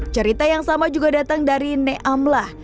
cerita yang sama juga datang dari nek amlah